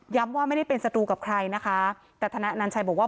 ว่าไม่ได้เป็นศัตรูกับใครนะคะแต่ธนายอนัญชัยบอกว่า